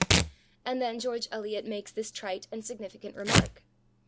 And then George Eliot makes this trite and significant remark.